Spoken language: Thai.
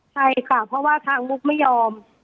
ใช่ค่ะเพราะว่าทางมุกไม่ยอม